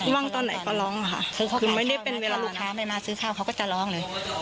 ว่างตอนไหนก็ร้องค่ะคือไม่ได้เป็นเวลาลูกค้าไม่มาซื้อข้าวเขาก็จะร้องเลย